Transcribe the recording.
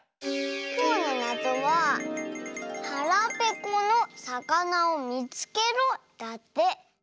きょうのなぞは「はらぺこのさかなをみつけろ」だって。